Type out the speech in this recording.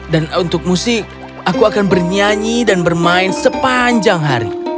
dan untuk musik aku akan bernyanyi dan bermain sepanjang hari